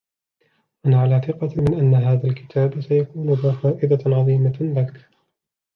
أنا على ثقة من أن هذا الكتاب سيكون ذا فائدة عظيمة لك.